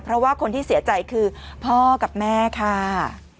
เพราะว่าคนที่เสียใจคือพ่อกับแม่ค่ะ